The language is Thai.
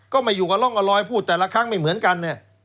ก็ไปอยู่กับร่องกระลอยพูดแต่ละครั้งไม่เหมือนกัน